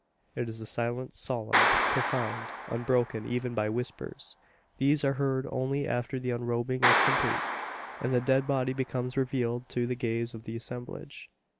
It is a silence solemn, profound, unbroken even by whispers. These are heard only after the unrobing is complete, and the dead body becomes revealed to the gaze of the assemblage.